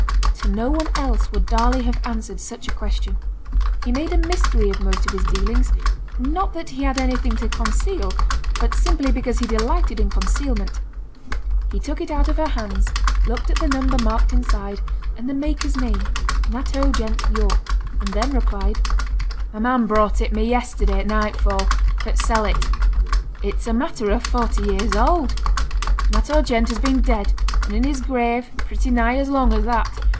To no one else would Darley have answered such a question. He made a mystery of most of his dealings; not that he had anything to conceal, but simply because he delighted in concealment. He took it out of her hands, looked at the number marked inside, and the maker's name 'Natteau Gent, York' and then replied, 'A man brought it me yesterday, at nightfall, for t' sell it. It's a matter o' forty years old. Natteau Gent has been dead and in his grave pretty nigh as long as that.